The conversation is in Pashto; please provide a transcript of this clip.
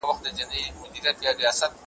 ما د خټو د خدایانو بندګي منلې نه ده `